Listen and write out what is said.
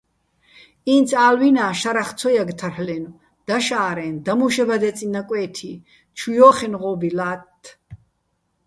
ინც ა́ლვინა შარახ ცო ჲაგე̆ თარლ'ენო̆, დაშა́რე, დამუშებადჲაწიჼ ნაკვე́თი, ჩუ ჲო́ხენო̆ ღო́ბი ლა́თთ.